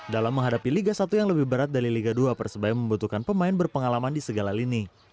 dalam menghadapi liga satu yang lebih berat dari liga dua persebaya membutuhkan pemain berpengalaman di segala lini